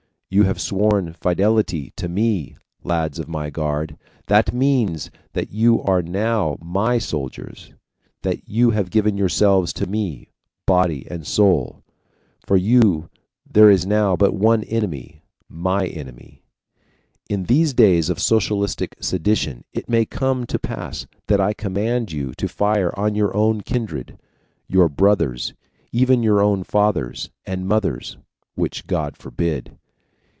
You have sworn fidelity TO ME, lads of my guard; THAT MEANS THAT YOU ARE NOW MY SOLDIERS, that YOU HAVE GIVEN YOURSELVES TO ME BODY AND SOUL. For you there is now but one enemy, MY enemy. IN THESE DAYS OF SOCIALISTIC SEDITION IT MAY COME TO PASS THAT I COMMAND YOU TO FIRE ON YOUR OWN KINDRED, YOUR BROTHERS, EVEN YOUR OWN FATHERS AND MOTHERS WHICH GOD FORBID!